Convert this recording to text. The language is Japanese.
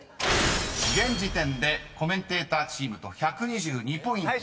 ［現時点でコメンテーターチームと１２２ポイント差があります］